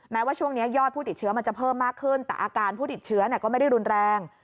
ว่าช่วงนี้ยอดผู้ติดเชื้อมันจะเพิ่มมากขึ้นแต่อาการผู้ติดเชื้อก็ไม่ได้รุนแรง